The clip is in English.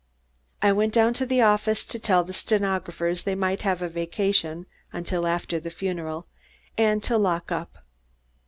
I went down to the office to tell the stenographers they might have a vacation until after the funeral, and to lock up.